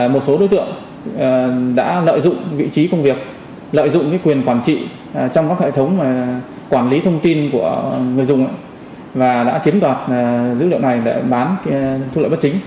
một số đối tượng đã lợi dụng vị trí công việc lợi dụng quyền quản trị trong các hệ thống quản lý thông tin của người dùng và đã chiếm đoạt dữ liệu này để bán thu lợi bất chính